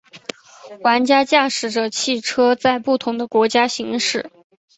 玩家驾驶着汽车在不同的国家行驶。